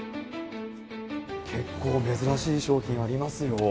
結構珍しい商品ありますよ。